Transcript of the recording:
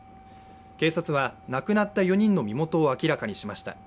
警察は、亡くなった４人の身元を明らかにしました。